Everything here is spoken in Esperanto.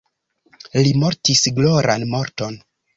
Li mortis gloran morton.